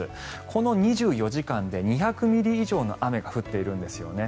この２４時間で２００ミリ以上の雨が降っているんですよね。